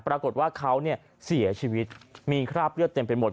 ปรากฏว่าเขาเนี่ยเสียชีวิตมีคราบเลือดเต็มไปหมด